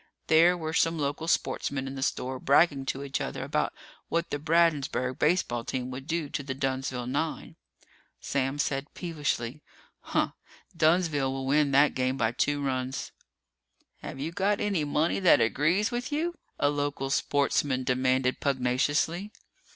There were some local sportsmen in the store, bragging to each other about what the Bradensburg baseball team would do to the Dunnsville nine. Sam said peevishly, "Huh! Dunnsville will win that game by two runs!" "Have you got any money that agrees with you?" a local sportsman demanded pugnaciously.